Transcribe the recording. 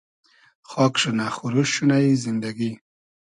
خاگ شونۂ خوروشت شونۂ ای زیندئگی